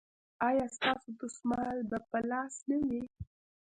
ایا ستاسو دستمال به په لاس نه وي؟